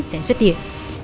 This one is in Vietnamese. sẽ xuất hiện